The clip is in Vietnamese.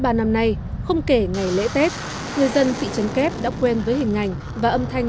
đã ba năm nay không kể ngày lễ tết người dân bị chấn kép đã quen với hình ảnh và âm thanh